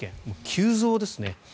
急増ですね。